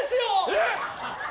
えっ！？